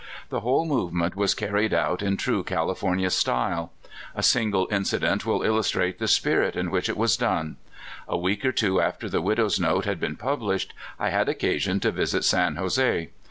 The wUole movement was carried out in true Californian style. A single incident will illustrate the spirit in which it was done. A week or two alter the widow's note had been published, I had occasion to visit San Jose.